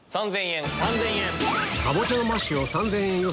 ３０００円。